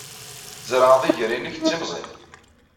Tzerɛed iger-nnek d timẓin.